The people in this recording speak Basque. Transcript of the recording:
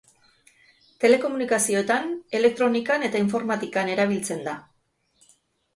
Telekomunikazioetan, elektronikan eta informatikan erabiltzen da.